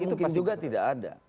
mungkin juga tidak ada